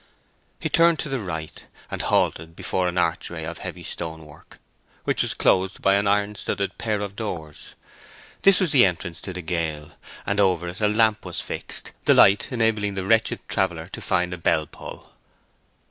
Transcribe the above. He turned to the right, and halted before an archway of heavy stonework, which was closed by an iron studded pair of doors. This was the entrance to the gaol, and over it a lamp was fixed, the light enabling the wretched traveller to find a bell pull.